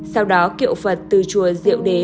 sau đó kiệu phật từ chùa diệu đế